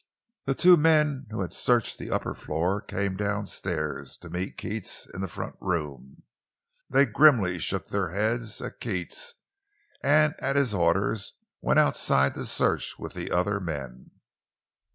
The two men who had searched the upper floor came downstairs, to meet Keats in the front room. They grimly shook their heads at Keats, and at his orders went outside to search with the other men.